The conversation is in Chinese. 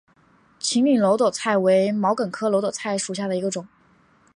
秦岭耧斗菜为毛茛科耧斗菜属下的一个种。